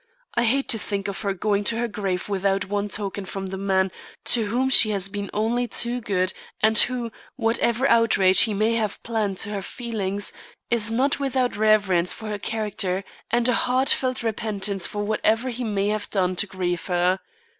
I hate to think of her going to her grave without one token from the man to whom she has been only too good and who, whatever outrage he may have planned to her feelings, is not without reverence for her character and a heartfelt repentance for whatever he may have done to grieve her.